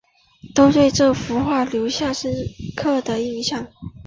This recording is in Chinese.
都对这幅画留下了深刻的印象